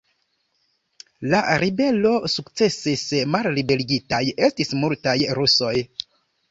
La ribelo sukcesis, malliberigitaj estis multaj rusoj.